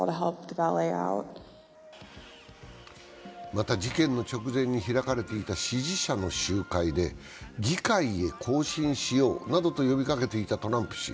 また、事件の直前に開かれていた支持者の集会で議会へ行進しようなどと呼びかけていたトランプ氏。